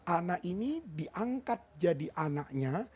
anak ini diangkat jadi anaknya